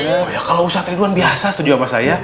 oh ya kalo ustaz ridwan biasa setuju sama saya